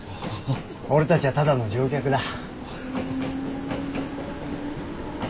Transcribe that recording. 俺たちはただの乗客だ。